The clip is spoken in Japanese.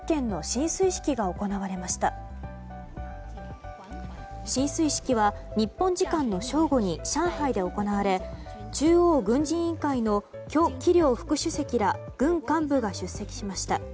進水式は日本時間の正午に上海で行われ中央軍事委員会のキョ・キリョウ副主席ら軍幹部が出席しました。